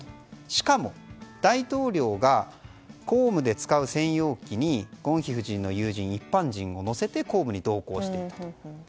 しかも、大統領が公務で使う専用機にゴンヒ夫人の友人一般人を乗せて公務に同行していたと。